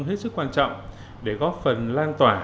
hết sức quan trọng để góp phần lan tỏa